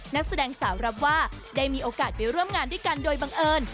นักแสดงสาวรับว่าได้มีโอกาสไปร่วมงานด้วยกันโดยบังเอิญ